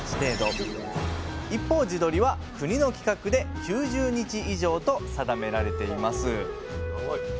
一方地鶏は国の規格で９０日以上と定められています。